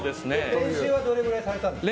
練習はどれぐらいされたんですか？